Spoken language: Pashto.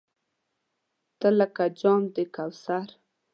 تۀ لکه جام د کوثر !